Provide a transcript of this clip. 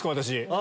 私。